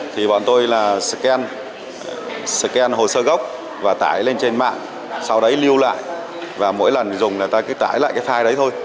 thì bọn tôi là scan hồ sơ gốc và tải lên trên mạng sau đấy lưu lại và mỗi lần dùng là ta cứ tải lại cái file đấy thôi